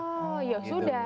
oh ya sudah